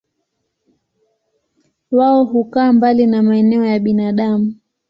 Wao hukaa mbali na maeneo ya binadamu.